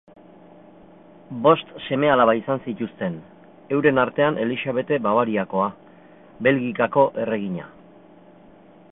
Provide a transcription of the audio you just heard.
Bost seme-alaba izan zituzten, euren artean Elixabete Bavariakoa, Belgikako erregina.